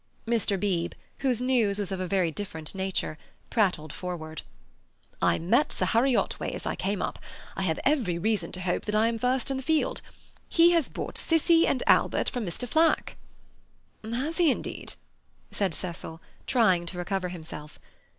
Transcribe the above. Mr. Beebe, whose news was of a very different nature, prattled forward. "I met Sir Harry Otway as I came up; I have every reason to hope that I am first in the field. He has bought Cissie and Albert from Mr. Flack!" "Has he indeed?" said Cecil, trying to recover himself.